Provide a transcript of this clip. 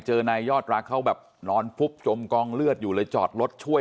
นายยอดรักเขาแบบนอนฟุบจมกองเลือดอยู่เลยจอดรถช่วย